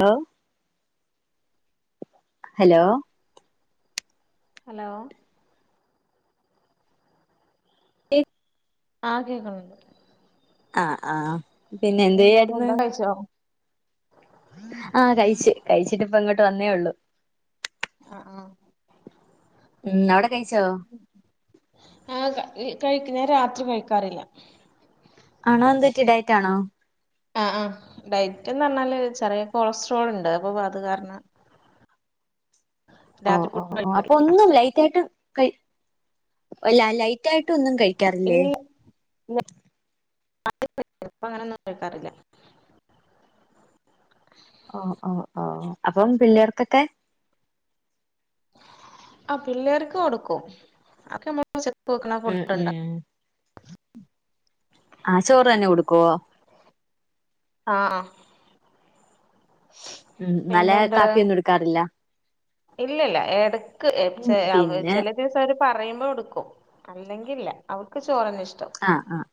Hello hello hello എ ആ കേക്കണുണ്ട് ആ ആ പിന്നെ എന്ത് എന്താ ചെയ്യായിരുന്നു ഫുഡൊക്കെ കഴിച്ചോ ആ കഴിച്ച് കഴിച്ചിട്ടിപ്പ ഇങ്ങോട്ട് വന്നേ ഉള്ളൂ അ ആ ഉം അവിടെ കഴിച്ചോ ആ കഴിക്കുന്ന രാത്രി കഴിക്കാറില്ല. ആണോ എന്ത് പറ്റി ഡയറ്റാണോ ആ ആ ഡയറ്റ് എന്ന് പറഞ്ഞാല് ചെറിയ കൊളസ്ട്രോൾ ഉണ്ട് അപ്പൊ അത് കാരണം ഓ രാത്രി ഓ ഫുഡ് ഓ അപ്പൊ കഴിക്കാറില്ല ഒന്നും ലൈറ്റ് ലൈറ്റായിട്ടും കഴി അല്ല ലൈറ്റ് ആയിട്ടും ഒന്നും കഴിക്കാറില്ലേ [unintelligible] ഇപ്പം അങ്ങനൊന്നും കഴിക്കാറില്ല അഹ് അഹ് ആഹ് അപ്പം പിള്ളേർക്കൊക്കെ ആ പിള്ളേർക്ക് കൊടുക്കും അക്കെമ്ള് ഉം ഉചക്കെവെക്ണഫുഡ്ണ്ടാ ഉം ആഹ് ചോറ് തന്നെ കൊടുക്കോ ആഹ് അഹ് ഉം ഇന്നലെ കാപ്പിയൊന്നും ഇട്ക്കാറില്ല ഇല്ല ഇല്ല ഏടക്ക് പിന്നെ എചാഅവചെല ദിവസായിട്ട് പറയുമ്പോ ഒടുക്കും. അല്ലെങ്കി ഇല്ല അവൾക്ക് ചോറന്നെ ഇഷ്ടം അഹ് അഹ്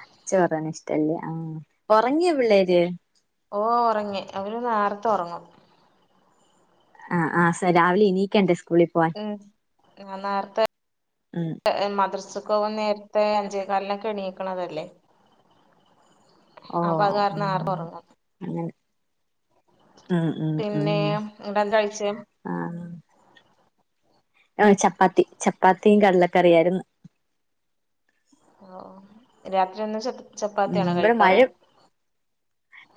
അചവറാന് ഇഷ്ടല്ല ആഹ് ഒറങ്ങ്യാെ പിള്ളേര് ഓ ഒറങ്ങി അവര് നേര്ത്തെ ഒറങ്ങും ആഹ് ആഹ് സ രാവിലെ എ ണിനീക്കെണ്ടേ സ്കൂളി പോവാൻ ഉം ന്നാ നേര്ത്തെ ഉം മദ്രസുക് പോവാൻനേര്ത്തെ അഞ്ചേ കാലിനോക്കെ എണീയിക്ക്ണതല്ലേ ഓ അ പ അഹ് കാര്ണം ഉം നേര് തൊറങ്ങും അങ്ങനെ ഉംഉം ഉം പിന്നെ എന്നിട്ട് എന്താ കഴിച്ചേ ആഹ് ആഹ് ചപ്പാത്തി ചപ്പാത്തി കടലക്കറിയായിര്ന്ന്. ഓഹ് ഒഹ് രാത്രി ഒന്ന്ചപ് ഉം ഇവടെ മഴ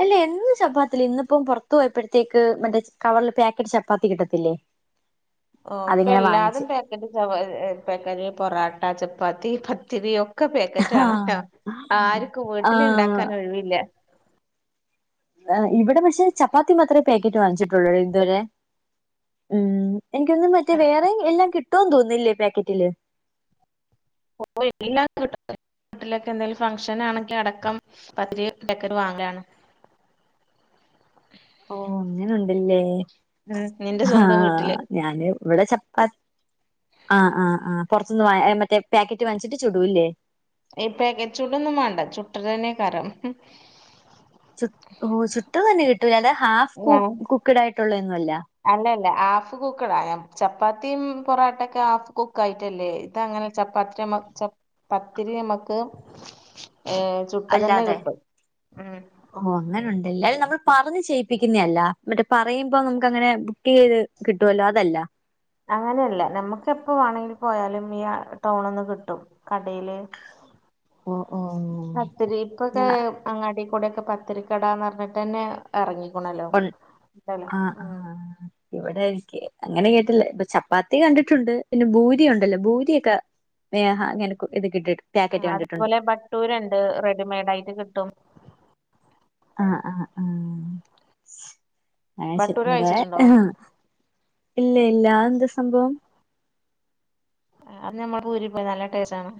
അല്ല എന്നും ചപ്പാതീല്ല. ഇന്ന് ഇപ്പം പൊറ്ത്ത്പോയപ്പഴത്തേക്ക് മറ്റേ കവറ്ല് പേക്കറ്റ് ചപ്പാത്തി കിട്ടത്തില്ലേ ഓ ഇപ്പൊ അതിങ്ങനെ എല്ലാതും വാങ്ങിച്ച് പാക്കറ്റ്ആഹ് ച പാക്കറ്റ് പൊറാട്ട ചപ്പാത്തി പത്തിരി ഒ ഒക്കെ പാക്കറ്റ് ആണല്ലോ. ആർക്കും വീട്ടിൽ ആഹ് ഇണ്ടാക്കാൻ ഒഴിവില്ല ഇവടെ പക്ഷേ ചപ്പാത്തി മാത്രേ പേക്കറ്റ് വാങ്ങിച്ച്ട്ടൊള്ളൂ ഇതുവരെ ഉം എനിക്കൊന്നും മറ്റേ വേറെ എല്ലാം കിട്ടൊ എന്ന് തോന്നുന്നില്ലേ പേക്കറ്റില് ഓ എലാം [unintelligible] കിട്ടുന്നെ വീട്ടിലൊക്കെ എന്തെലും ഫംഗ്ഷൻ ആണെങ്കി അടക്കം പത്തിരി ഡക്കർ വാങ്ങലാണ് ഓ അങ്ങനെ ഉണ്ട്ല്ലേ ഉം നിന്റെ സ്വന്തം ആഹ് വീട്ടില് ഞാന് ഇവടെ ചപ്പാ [unintelligible] ത്തി ആഹ് ആഹ് ആഹ് പൊറത്ത് ന്ന് വാങ്ങി മറ്റെ പേക്കറ്റ് വാങ്ങിച്ചിട്ട് ചുടൂല്ലേ എ പേകറ്റ്ച്ചൂടൊന്നും മാണ്ട ചുട്ടതെന്നെക്കാരം ചുട്ട് ഒ ചുട്ടത് തന്നെ കിട്ടൂ അലാതെ ഹാഫ് കുക്ക്ഡ് ആയിട്ടുള്ളൊന്നും അല്ല അല്ല അല്ല ഹാഫ് കുക്കടാ ഞ ചപ്പാത്തിം പൊറോട്ട ഒക്കെ ഹാഫ് കുക്കായിട്ടല്ലേ ഇതങ്ങനെ ചപ്പാത്തിരി നമക് ചപ്പാപത്തിരി നമക്ക്എഹ് ചുട്ട തന്നെ കിട്ടും ഉം ഓഹ് അങ്ങനെ ഇണ്ട്ല്ലെ. അത് നമ്മൾ പറഞ്ഞ് ചെയ്യിപ്പിക്കുന്ന അല്ല മറ്റേ പറയുമ്പോ നമുക്ക് അങ്ങനെ കുക്ക് ചെയ്ത് കിട്ടു അല്ലോ അതല്ല അങ്ങനെയല്ല. നമക്ക് എപ്പോ വാണെണങ്കിലും പോയാലും ഈ ടൗൺന്ന് കിട്ടും കടേല് ഓ ഓ പത്തിരിക്കൊക്കെ അങ്ങാടി കൂടെ ഒക്കെ പത്തിരിക്കടാന്ന് പറഞ്ഞിട്ടെന്നെ എറങ്ങിക്ക്ണല്ലോ [unintelligible] ല്ലോ ആഹ് ഉം ആഹ് ഇവിടെ എനിക്ക് അങ്ങനെ കേട്ട്ല്ല. ഇപ്പൊ ചപ്പാത്തി കണ്ടിട്ടുണ്ട് പിന്നെ ഭൂരി ഉണ്ടല്ലോ ഭൂരിയൊക്കെ നേഹ അങ്ങനെ [unintelligible] ക്ക് ഇത് കെട്ടിട്ട് ആഹ് അതുപോലെ ബട്ടൂര് ഇണ്ട്. റെഡിമെയഡായിട്ട് കിട്ടും ആഹ്ആഹ് ആഹ് അയ്ശെ ബട്ടൂര് കഴിച്ചിട്ടുണ്ടോ ഇവിടെഹ് ഇല്ല ഇല്ല അത് എന്താ സംഭവം? ആഹ് അത് നമ്മള് പൂരി പോലെ നല്ല ടേസ്റ്റ് ആണ്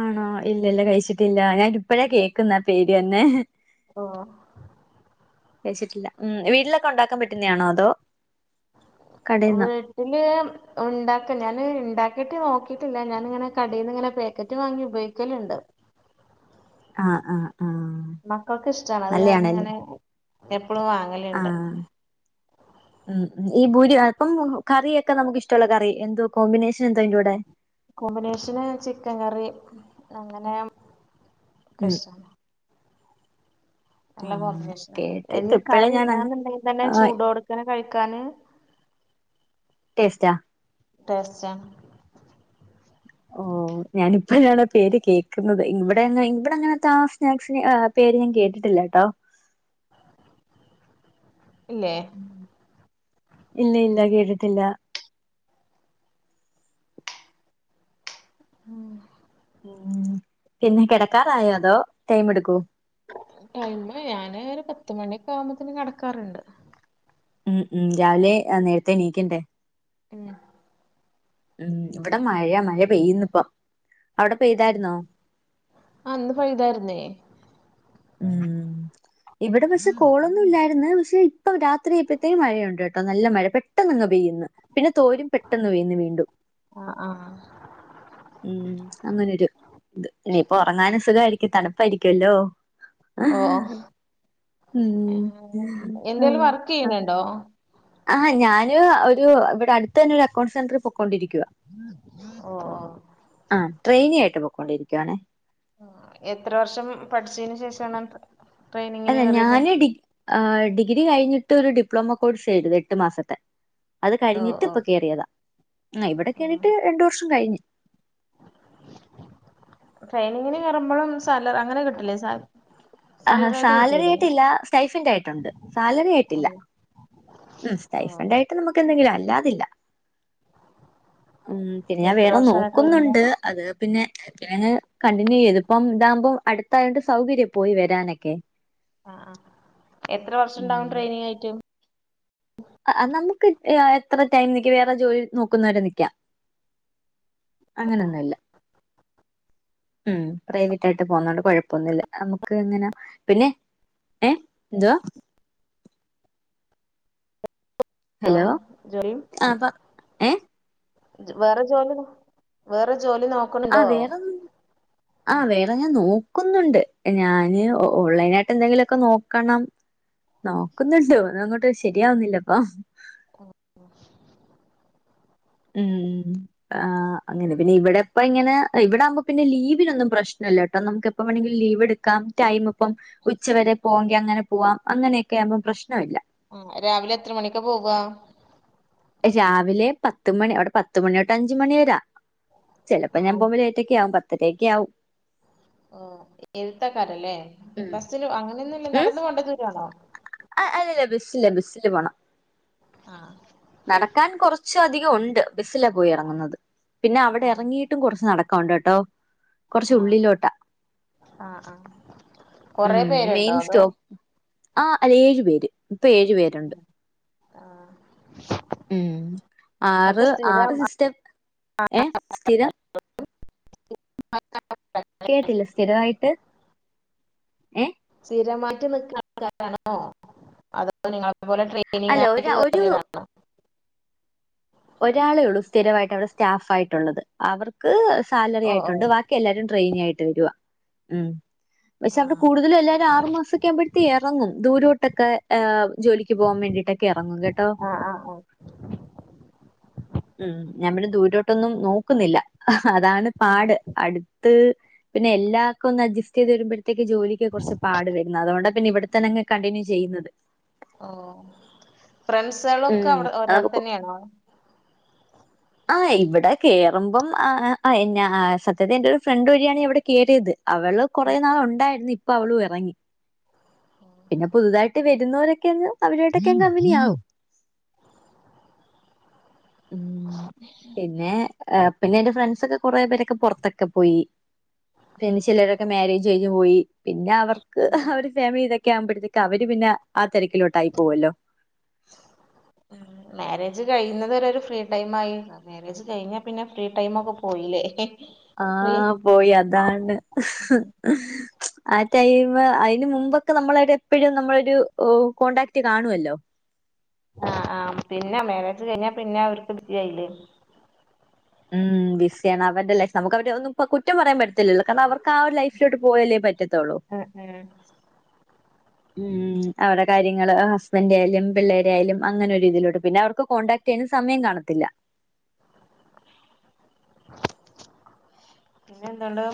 ആണോ ഇല്ല ഇല്ല കഴിച്ചിട്ടില്ല. ഞാൻ ഇപ്പെഴാ കേക്കുന്നെ പേര് എന്നെ ഓഹ് ഓഹ് വച്ചിട്ടില്ല. ഉം വീട്ടിലൊക്കെ ഉണ്ടാക്കാൻ പറ്റുന്ന ആണോ അതോ കടേന്നോ വീട്ട്ല് ഉണ്ടാക്ക ഞാന് ഇണ്ടാക്കിട്ട് നോക്കീട്ടില്ല. ഞാാനിങ്ങനെ കടേന്ന് ഇങ്ങനെ പാക്കറ്റ് വാങ്ങി ഉപയോഗിക്കല് ഇണ്ട് ആഹ് ആഹ് ആഹ് മക്കൾക്ക് ഇഷ്ടാണ് അത് കാരണം നല്ലയാണല്ലേ ങ്ങനെ എപ്പളുആൻ ആഹ് ഉം ഉം ഈ പൂരി, അപ്പം. കറിയൊക്കെ നമുക്ക് ഇഷ്ടമുള്ള കറി. എന്തോ കോമ്പിനേഷൻ എന്താ അതിന്റെ കൂടെ കോമ്പിനേഷന് ചിക്കൻ കറി, അങ്ങനെ ഒക്കെ ഉം ഇഷ്ട്ടാണ്. നല്ല ആഹ് കോമ്പിനേഷനാ. കേട്ടിട്ട് ഇനി ഇപ്പഴേ കറി ഞാൻ ഇല്ലന്നുണ്ടെങ്കിൽ തന്നെ ആഹ് ചൂടോട് ക്കനെ കഴിക്കാന് ടേസ്റ്റാ ടേസ്റ്റാ ഓ ഞാനിപ്പോഴാണാപേര് കേക്കുന്നത് ഇവിടെയൊന്നും, ഇവിടെ അങ്ങനത്തെ ആ സ്നാക്സിന ആ ഈ പേര് ഞാൻ കേട്ടിട്ടില്ല കേട്ടോ. ഇല്ലേ? ഇല്ല ഇല്ല കേട്ടിട്ടില്ല. ഉം ഉം. പിന്നെ കിടക്കാറായോ അതോ ടൈം എടുക്കോ ടൈം ഞാന് ഒരു പത്ത് മണിയൊക്കെ ആവുമ്പത്തന്നെ കെടക്കാറുണ്ട്. ഉം ഉം രാവിലെ നേരത്തെ എണീക്കണ്ടേ ഉം ഉം ഇവിടെ മഴയാ, മഴ പെയ്യുന്നു ഇപ്പം ആം ആ ഇന്ന് പെയ്തായിരുന്നേ ഉം ഇവിടെ പക്ഷെ കോളൊന്നും ഇല്ലായിരിന്ന് പക്ഷെ ഇപ്പൊ രാത്രിയ്പഴത്തേക്കും മഴയുണ്ട്ട്ടോ നല്ല മഴ പെട്ടെ പെട്ടെന്ന്ങ് പെയ്യന്ന് പിന്നെ തോരും പെട്ടെന്ന് പെയ്യന്ന് വീണ്ടും ആഹ് ആഹ് ഉം അങ്ങനൊരു ഇത്. ഇനിപ്പൊ ഉറങ്ങാനും സുഖമായിരിക്കും. തണുപ്പായിരിക്കല്ലോ. ഓ ഉം എന്തേലും വർക്ക് ചെയ്യണണ്ടോ? ആ, ഞാന് ഒരു ഇവിടെ അടുത്ത തന്നെ ഒരു അക്കൗണ്ട് സെന്ററിൽ പൊക്കോ ഓ ആ ട്രെയിനി ആയിട്ട് പൊക്കോ ണ്ടിരിക്കുവാണേ. എത്ര വർഷം പഠിച്ചതിന് ശേഷമാണ് ഡ്രെ അല്ല ഞാന് ഡിഗ് ആ ഡിഗ്രി കഴിഞ്ഞിട്ട് ഒരു ഡിപ്ലോമ കോഴ്സ് ചെയ്ത് എട്ടു മാസത്തെ അത് ഓ കഴിഞ്ഞിട്ട് ഇപ്പൊ ഓ കയറിയതാ. ആ ഇവിടെ കേറീട്ട് രണ്ടു വർഷം കഴിഞ്ഞു. ട്രെയിനിങ്ങിന് കയറുമ്പോഴും സാലറി, അങ്ങനെ കിട്ടില്ലേ സാല ആ സാലറി ആയിട്ടില്ല. സ്റ്റൈഫൻ്റായിട്ടുണ്ട്, സാലറി ഓ ആയിട്ടില്ല. ഉം ഓ സ്റ്റെഫണ്ട് ആയിട്ട് നമുക്ക് എന്തെങ്കിലും, അല്ലാതില്ല. ഉം പിന്നെ ഞാൻ എത്ര വേറെ വർഷാണ് ട്രെയിനിങ് നോക്കുന്നുണ്ട്. അത് പിന്നെ ഞാന്, കണ്ടിന്യൂ ചെയ്ത് ഇതിപ്പം ഇതാകുമ്പോം അടുത്തായോണ്ട്, സൗകര്യം പോയി വരാനൊക്കെ. ആ ആ എത്ര വർഷം ഉണ്ടാവും ട്രെയിനിങ് ആയിട്ട് ആ അത് നമുക്ക് എത്ര ടൈം നിക്കുന്നു, വേറെ ജോലി നോക്കുന്നവരെ നിൽക്കാം. അങ്ങനെന്നും ഇല്ല. ഉം പ്രൈവറ്റ് ആയിട്ട് പോവുന്നത് കൊണ്ട് കൊഴപ്പൊന്നുമില്ല നമുക്ക് എങ്ങനെ പിന്നെ ഏഹ് എന്തുവാ ഹലോ ജോലു ആഹ് പ ഏഹ് വേറെ ജോലി നൊ വേറെ ജോലി നോക് ആ വേറൊന്നു, ആ വേറെ ഞാൻ നോക്കുന്നുണ്ട് ഞാന് ഓൺലൈന ആയിട്ട് എന്തെങ്കിലുക്കെ നോക്കണം, നോക്കുന്നുണ്ട് ഓന്നൊങ്ങോട്ട് ശരിയാവുന്നില്ലപ്പാ. ഉം ഉം ആഹ് അങ്ങനെ പിന്നെ ഇവിടെ ഇപ്പം ഇങ്ങനെ, ഇവിടെയാകുമ്പോ ഇപ്പം ലീവിനൊന്നും പ്രശ്നമല്ല കേട്ടോ. നമുക്ക് എപ്പ വേണമെങ്കിലും ലീവെടുക്കാം ക്കാം ടൈം ഇപ്പം ഉച്ചവരെ പോവെങ്കി അങ്ങനെ പോവാാം അങ്ങനെയൊക്കെ ആകുമ്പം പ്രശ്നം ഇല്ല ആ രാവിലെ എത്ര മണിക്കാ പോകുവ രാവിലെ പത്തുമണി അവിടെ പത്ത് മണിതൊട്ട് അഞ്ച് മണി വരേയാ ചെലപ്പോ ആ ഞാൻ പോകുമ്പോഴെ - പത്തൊക്ക ആകും പത്തരയൊക്കെ ആവും. ഓഹ് എഴുത്തക്കാരല്ലേ ഉം ബസ്സിനു അങ്ങനെയൊന്നൂലല്ലോ നടന്നു പോവണ്ടേ ദൂരണോ ആഹ് അല്ലല്ലാ ബസ്സില്ലാ ബസ്സില് പോണം ആഹ് നടക്കാൻ കൊറച്ചധികം ഒണ്ട് ബസ്സിലാപോയി എറങ്ങുന്നത് പിന്നെ അവടെ ആ എറങ്ങിയിട്ടും കൊറച്ച് നടക്ക- കോണ്ടട്ടോ ആ കൊറച്ചുള്ളിലോട്ടാ ആഹ് ആഹ് ഉം കൊറെ പേരുണ്ടോ മെയിൻ അതോ സ്റ്റോ- ആഹ് അല്ല ഏഴു പേര് ഇപ്പൊ ഏഴു പേരാ ആഹ് ഉം ആറ് ഒക്കെ ആറ് സ്ഥിരം സിസ്റ്റർ ഏ സ്ഥിരം കേട്ടില്ല സ്ഥിരവായിട്ട്- [unintelligible] അല്ല ഒ ഇനിങ്ങായിട്ട് ഒരു കേറിയതാണോ ഒരാളേയുള്ളൂ സ്ഥിരവായിട്ട് അവിടെ സ്റ്റാഫായിട്ടുള്ളത് അവർക്ക് ഓഹ് സാലറിയായിട്ടുണ്ട് ഓഹ് വാ- ബാക്കിയെല്ലാരും ട്രെയിനിയായിട്ട് വരുവാ ഉം പക്ഷെ അവടെ ആഹ് കൂടുതലും എല്ലാവരും ആറു മാസൊക്കെ ആകുമ്പോഴത്തേ എറങ്ങും ദൂരോട്ടൊക്കെ ഏ ജോലിക്ക് പോകാൻ വേണ്ടീട്ടൊ- ക്ക് എറങ്ങും കേട്ടോ ആഹ് ആഹ് ഓഹ് ഉം ഞമ്മള് ദൂരോട്ടൊന്നും നോക്കുന്നില്ല അതാണ് പാട് അടു- ത് പിന്നെ എല്ലാർക്കും ഒന്ന് അഡ്ജസ്റ്റെയ്ത് വരുമ്പഴ്- ഒറ്റെക്ക് ജോലിക്ക് കൊറച്ച് പാട് വരുന്ന് അതുകൊണ്ടാപിന്നെ ഇവടെതന്നെ അങ്ങ് കണ്ടിന്യൂ ചെയ്യുന്നത് ഓഹ് ഫ്രണ്ട്സകളോക്കെ ഉം. അവിടെ ഒരടുത്ത് അപ്പൊ തന്നെയാണോ ആഹ് ഇവടെ കേറുമ്പം ആഹ് ആഹ് എന്നാ സത്യത്തി എന്റെയൊരു ഫ്രണ്ട് വഴിയാണ് ഇവിടെ കേറീത് അവള് കൊറെനാള് ഒണ്ടായിരുന്നു ഇപ്പൊ അവളും എറങ്ങി പിന്നെ പുതുതായിട്ട് വരുന്നവരൊ- പിന്നെ അങ്ങ് അവരുട്ടൊക്കെ അങ്ങ് കമ്പനിയാവും ഉം പിന്നെ ആഹ് പിന്നെന്റെ ഫ്രണ്ട്സൊക്കെ കൊറേ പേരൊക്കെ പൊറത്തൊക്കെ പോയി പിന്നെ ചിലരൊക്കെ മാരേജ്- കഴിഞ്ഞുപോയി പിന്നെ അവർക്ക് അവരു- ഫാമിലി ഇതൊക്കെ ആവുമ്പോഴത്തേക്ക് അവര് പിന്നെ ആ തിരക്കിലോട്ടായി പോവൂല്ലോ മാരേജ് കഴിയുന്നതുവരെ ഒരു ഫ്രീ ടൈം ആയി- മാരേജ് കഴിഞ്ഞാ പിന്നെ ഫ്രീടൈമൊക്കെ പോയില്ലേ ഫ്രീ ആഹ് പോയി അതാണ് ആഹ് ടൈംമ് അയിന് മുമ്പൊക്കെ നമ്മളായിട്ട് എപ്പോഴും നമ്മളൊരു കോൺടാക്ട് കാണുവല്ലോ ആഹ് ആഹ് പിന്നെ മേരേജ് കഴിഞ്ഞാ പിന്നെ അവർക്ക് ബിസിയായില്ലേ ഉം ബിസിയാണ് അവരടെ ലൈഫ് നമുക്ക് അവരടെ ഒന്നും ഇപ്പം കുറ്റം പറയാൻ പറ്റത്തില്ലോല്ലോ കാരണം അവർക്ക് ആ ഒരു ലൈഫിലേക്ക് പോയാലേ പറ്റത്തൊള്ളൂ [unintelligible] ഉം ഉം അവര്ടെ കാര്യങ്ങള് ഹസ്ബൻ്റായാലും പിള്ളേരായാലും അങ്ങനെ ഒരു രീതിയിലോട്ട് പിന്നെ അവർക്ക് കോണ്ടാക്ട് ചെയ്യാനും സമയം കാണത്തില്ല പിന്നെ എന്തൊണ്ട്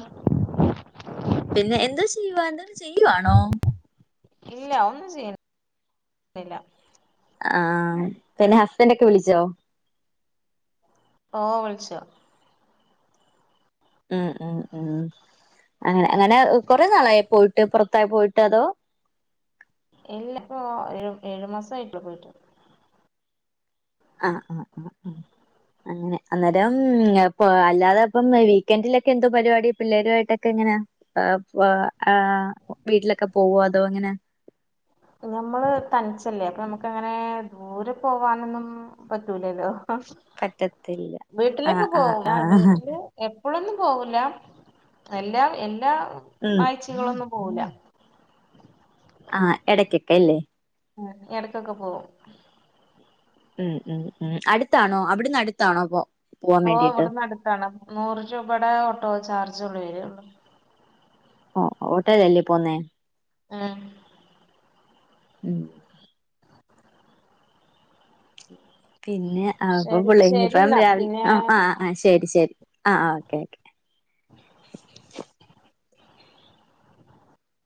പിന്നെ എന്തോ ചെയ്യുവാ എന്തെലും ചെയ്യുവാണോ ഇല്ല ഒന്നും ചെയ്യുന്നില്ല ആഹ് പിന്നെ ഹസ്ബൻ്റൊക്കെ വിളിച്ചോ ഓൻ വിളിച്ചോ ഉം ഉം ഉം അങ്ങനെ അങ്ങനെ കൊറേ നാളായോ പോയിട്ട് പൊറത്ത് പോയിട്ട് അതോ- ഇല്ലി ഇപ്പോ ഏഴ് ഏഴു മാസായിട്ടുള്ളു പോയിട്ട് ആഹ് ആഹ് ആഹ് ആഹ് അങ്ങനെ അന്നേരം അപ്പോ അല്ലാതെ അപ്പം വീക്കെൻഡിലൊക്കെ എന്തോ പരിപാടി പിള്ളേരുവായിട്ടൊക്കെ എങ്ങനാ അപ്പോ ആ വീട്ടിലൊക്കെ പോവോ അതോ ഇങ്ങനെ ഞമ്മള് തനിച്ചല്ലേ അപ്പൊ നമുക്കങ്ങനെ ദൂരെ പോവാനൊന്നും പറ്റൂലല്ലോ പറ്റത്തില്ല ആഹ് വീട്ടിലൊക്കെ ആഹ് പോവും ആഹ് വീട്ടില് എപ്പോഴൊന്നും പോകുല്ല എല്ലാ എല്ലാ ഉം ആഴ്ചകളൊന്നും പോകില്ല ആഹ് എടയ്ക്കൊക്കെ അല്ലേ എടക്കൊക്കെ പോകും ഉം ഉം ഉം അടുത്താണോ അവിടുന്ന് അടുത്താണോ അപ്പോ ഓഹ് ഇവിടുന്ന് അടുത്താണ് നൂറ് രൂപാടെ ഓട്ടോ ചാർജെ ഉള്ളൂ വരുള്ളൂ ഓഹ് ഓട്ടോയിലല്ലേ പോന്നേ ആഹ് ഉം പിന്നെ അപ്പ ശരി പുള്ളേ ശരി ഇനിപ്പം എന്നാ രാവില് പിന്നെ ആഹ് ആഹ് ആഹ് ശരി ശരി ആഹ് ആഹ് ഓക്കെ ഓക്കെ